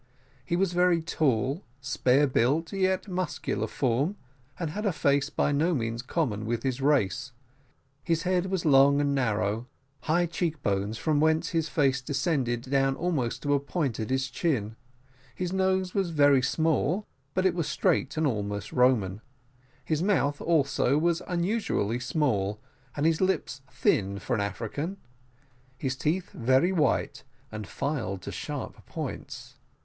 He was a very tall, spare built, yet muscular form, and had a face by no means common with his race. His head was long and narrow, high cheek bones, from whence his face descended down to almost a point at the chin; his nose was very small, but it was straight and almost Roman; his mouth also was unusually small; and his lips thin for an African; his teeth very white, and filed to sharp points.